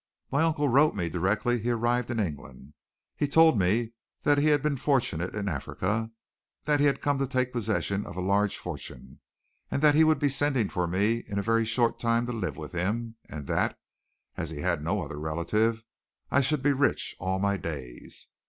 "My uncle wrote me directly he arrived in England. He told me that he had been fortunate in Africa, that he had come to take possession of a large fortune, and that he would be sending for me in a very short time to live with him, and that, as he had no other relative, I should be rich all my days.